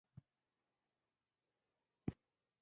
دا عنصرونه ورته الکتروني باندینی قشر لري.